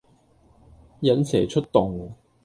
引蛇出洞